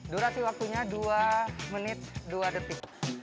durasi waktunya dua menit dua detik